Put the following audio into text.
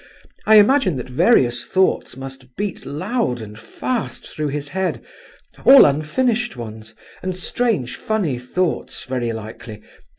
I imagine that various thoughts must beat loud and fast through his head—all unfinished ones, and strange, funny thoughts, very likely!